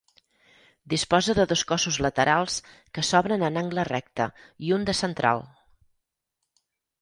Disposa de dos cossos laterals que s'obren en angle recte, i un de central.